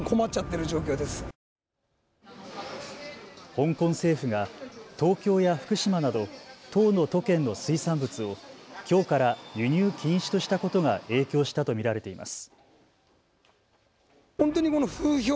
香港政府が東京や福島など１０の都県の水産物をきょうから輸入禁止としたことが影響したと見られています。